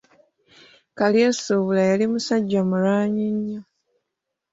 Kalyesuubula yali musajja mulwanyi nnyo.